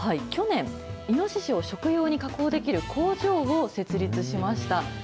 こちら、去年、イノシシを食用に加工できる工場を設立しました。